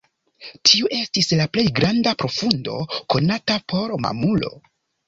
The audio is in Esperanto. Tiu estis la plej granda profundo konata por mamulo.